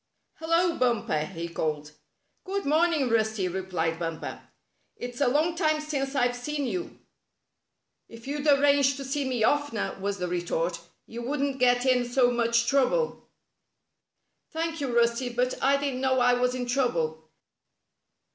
''Hello, Bumper! " he called. "Good morning, Rusty!" replied Bumper. " It's a long time since I've seen you." 76 Rusty Warns Bumper " If you'd arrange to see me oftener," was the retort, " you wouldn't get in so much trouble." " Thank you, Rusty, but I didn't know I was in trouble."